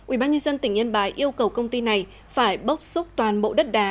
ubnd tỉnh yên bái yêu cầu công ty này phải bốc xúc toàn bộ đất đá